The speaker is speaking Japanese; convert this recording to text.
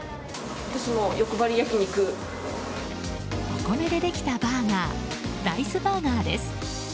お米でできたバーガーライスバーガーです。